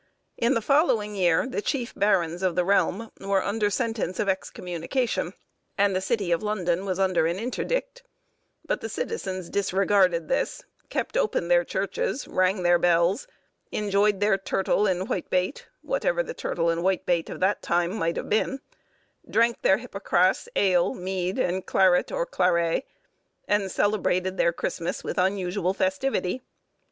In the following year the chief barons of the realm were under sentence of excommunication, and the city of London was under an interdict; but the citizens disregarded this, kept open their churches, rang their bells, enjoyed their turtle and whitebait (whatever the turtle and whitebait of that time might have been), drank their hippocras, ale, mead, and claret or clarré, and celebrated their Christmas with unusual festivity.